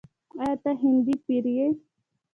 “آیا ته هندی پیر یې؟”